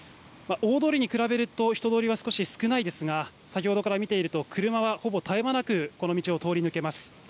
大通りに比べると人通りが少し少ないですが先ほどから見ていると車はほぼ絶え間なくこの道を通り抜けます。